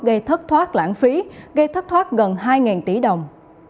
gây thất thoát lãng phí gây thất thoát gần hai tỷ đồng